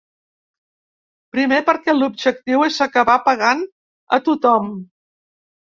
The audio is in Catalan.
Primer perquè l’objectiu és acabar pagant a tothom.